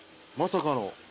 まさかの。